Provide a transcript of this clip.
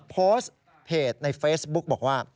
โพสต์เพจในเฟซบุ๊กบอกว่า